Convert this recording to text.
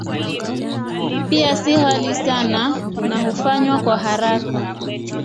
Pia si ghali sana na hufanywa kwa haraka.